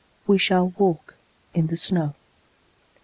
We shall walk in the snow.